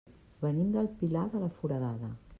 Venim del Pilar de la Foradada.